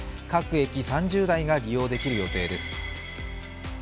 各駅３０台が利用できる予定です。